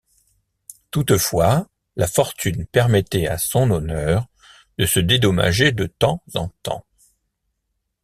Toutefois, la fortune permettait à Son Honneur de se dédommager de temps en temps.